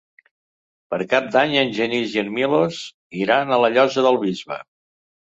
Per Cap d'Any en Genís i en Milos iran a la Llosa del Bisbe.